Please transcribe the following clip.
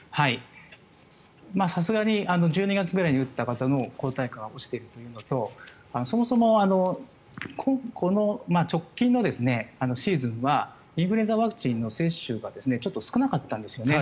さすがに１２月ぐらいに打った方の抗体価は落ちているということとそもそも直近のシーズンはインフルエンザワクチンの接種がちょっと少なかったんですよね。